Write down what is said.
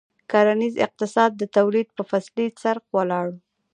کرنیز اقتصاد د تولید په فصلي څرخ ولاړ و.